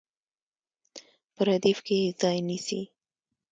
په ردیف کې یې ځای نیسي.